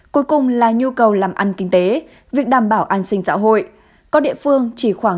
cuối cùng là nhu cầu làm ăn kinh tế việc đảm bảo an sinh xã hội có địa phương chỉ khoảng